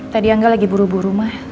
tadi angga lagi buru buru mah